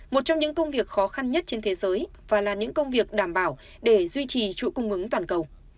một trong những công việc khó khăn nhất trên thế giới và là những công việc đảm bảo để duy trì chuỗi cung ứng toàn cầu